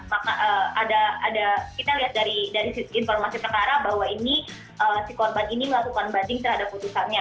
maka ada kita lihat dari sisi informasi perkara bahwa ini si korban ini melakukan banding terhadap putusannya